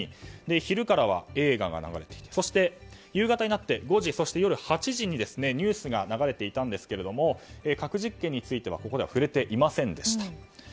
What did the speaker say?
昼からは映画が流れていて夕方になって５時、そして８時にニュースが流れていたんですが核実験についてはここでは触れていませんでした。